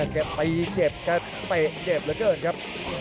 แกตีเจ็บแกเตะเจ็บเหลือเกินครับ